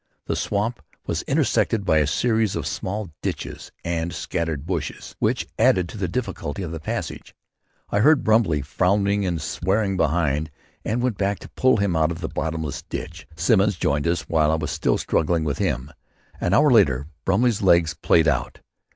The swamp was intersected by a series of small ditches and scattered bushes, which added to the difficulty of the passage. I heard Brumley floundering and swearing behind and went back to pull him out of a bottomless ditch. Simmons joined us while I was still struggling with him. In another hour Brumley's legs played out.